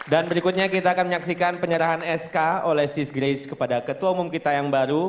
dan berikutnya kita akan menyaksikan penyerahan sk oleh sis grace kepada ketua umum kita yang baru